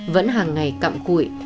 vẫn hàng ngày cặm cụi